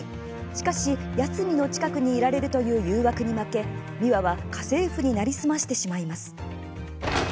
しかし、八海の近くにいられるという誘惑に負けミワは家政婦に成りすましてしまいます。